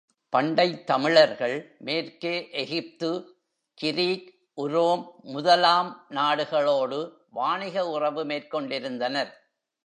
பண்டைத் தமிழர்கள், மேற்கே எகிப்து, கிரீக், உரோம் முதலாம் நாடுகளோடு வாணிக உறவு மேற் கொண்டிருந்தனர்.